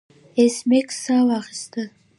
ایس میکس ساه واخیسته